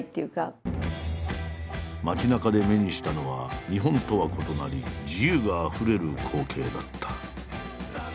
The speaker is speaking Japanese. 街なかで目にしたのは日本とは異なり自由があふれる光景だった。